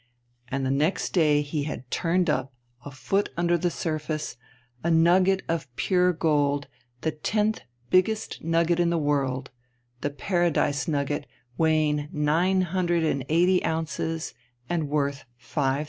And the next day he had turned up, a foot under the surface, a nugget of pure gold, the tenth biggest nugget in the world, the "Paradise nugget," weighing 980 ounces and worth £5,000.